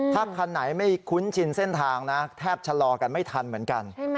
ถ้าคันไหนไม่คุ้นชินเส้นทางนะแทบชะลอกันไม่ทันเหมือนกัน